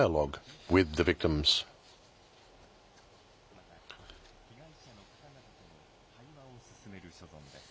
また、被害者の方々との対話を進める所存です。